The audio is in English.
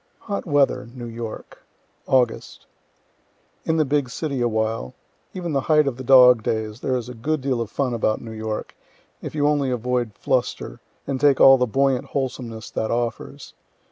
HOT WEATHER NEW YORK August. In the big city awhile. Even the height of the dog days, there is a good deal of fun about New York, if you only avoid fluster, and take all the buoyant wholesomeness that offers.